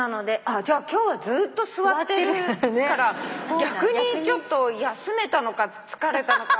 じゃあ今日はずーっと座ってるから逆にちょっと休めたのか疲れたのか。